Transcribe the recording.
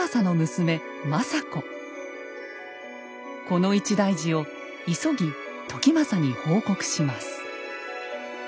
この一大事を急ぎ時政に報告します。